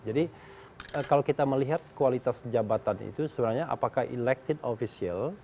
jadi kalau kita melihat kualitas jabatan itu sebenarnya apakah elected official